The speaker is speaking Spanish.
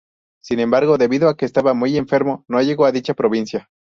Sin embargo, debido a que estaba muy enfermo no llegó a dicha provincia.